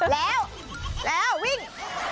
แล้วแล้ววิ่ง